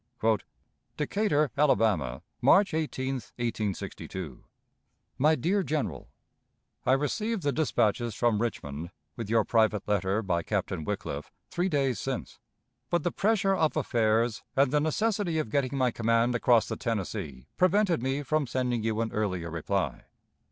_ "DECATUR, ALABAMA, March 18, 1862. "MY DEAR GENERAL: I received the dispatches from Richmond, with your private letter by Captain Wickliffe, three days since; but the pressure of affairs and the necessity of getting my command across the Tennessee prevented me from sending you an earlier reply.